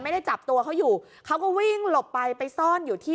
ไม่ได้จับตัวเขาอยู่เขาก็วิ่งหลบไปไปซ่อนอยู่ที่